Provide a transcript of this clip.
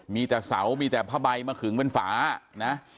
มีแต่เสามีแต่ผ้าใบมาขึงเป็นฝานะ